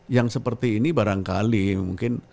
yang seperti ini barangkali mungkin